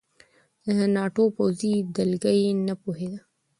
د ناټو پوځي دلګۍ نه پوهېده.